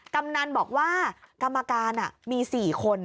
กำนันบอกว่ากรรมการมี๔คน